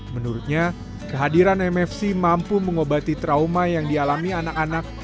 menurutnya kehadiran mfc mampu mengobati trauma yang dialami anak anak